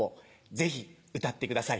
ぜひ歌ってください。